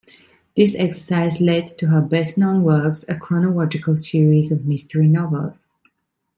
This exercise led to her best-known works, a chronological series of mystery novels.